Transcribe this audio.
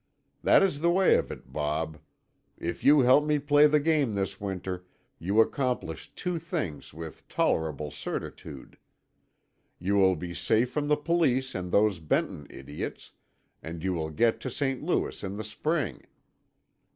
"That is the way of it, Bob. If you help me play the game this winter, you accomplish two things with tolerable certitude. You will be safe from the Police and those Benton idiots; and you will get to St. Louis in the spring.